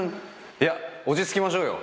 いや落ち着きましょうよ！